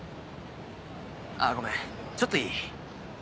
あぁごめんちょっといい？